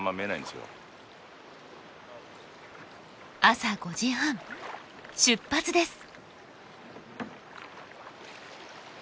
朝５時半出発です。